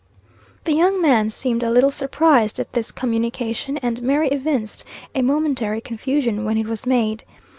The young man seemed a little surprised at this communication, and Mary evinced a momentary confusion when it was made.